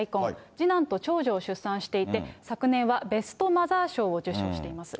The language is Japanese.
次男と長女を出産していて、昨年はベストマザー賞を受賞しています。